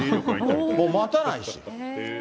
もう待たないし。